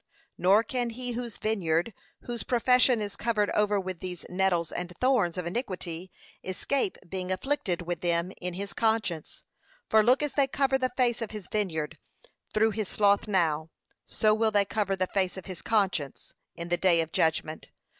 Nor can he whose vineyard, whose profession is covered over with these nettles and thorns of iniquity, escape being afflicted with them in his conscience: for look as they cover the face of his vineyard through his sloth now, so will they cover the face of his conscience, in the day of judgment.